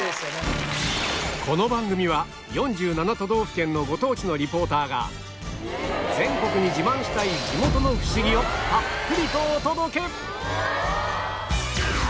この番組は４７都道府県のご当地のリポーターが全国に自慢したい地元のフシギをたっぷりとお届け！